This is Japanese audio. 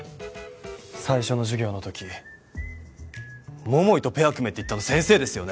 最初の授業のとき桃井とペア組めって言ったの先生ですよね？